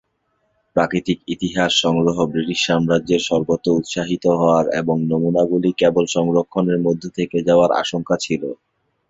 প্রাকৃতিক ইতিহাস সংগ্রহ ব্রিটিশ সাম্রাজ্যের সর্বত্র উত্সাহিত হওয়ার এবং নমুনাগুলি কেবল সংরক্ষণের মধ্যেই থেকে যাওয়ার আশঙ্কা ছিল।